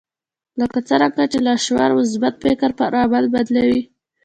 لکه څرنګه چې لاشعور مثبت فکر پر عمل بدلوي